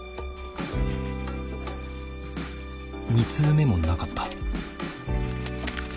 ２通目もなかった。